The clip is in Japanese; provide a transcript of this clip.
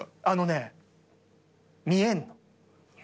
あのね見えるの。